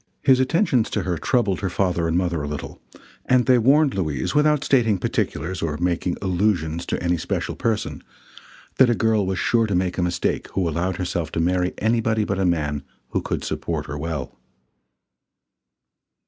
His attentions to her troubled her father and mother a little, and they warned Louise, without stating particulars or making allusions to any special person, that a girl was sure to make a mistake who allowed herself to marry anybody but a man who could support her well.